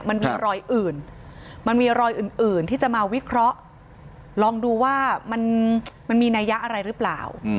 มันมีรอยอื่นมันมีรอยอื่นที่จะมาวิเคราะห์ลองดูว่ามันมีนัยยะอะไรหรือเปล่า